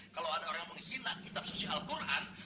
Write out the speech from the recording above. kalau ada orang yang menghina kitab suci al quran